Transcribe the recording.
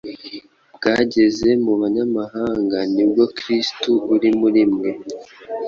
bwageze mu banyamahanga; ni bwo Kristo uri muri mwe,